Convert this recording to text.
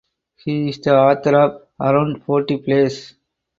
He is the author of around forty plays.